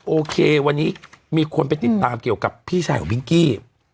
โอเควันนี้มีคนไปติดตามเกี่ยวกับพี่ชายของพิงกี้